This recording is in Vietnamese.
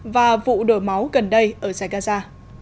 và vụ đổ máu gần đây ở zagaza